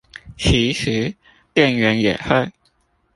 其實店員也會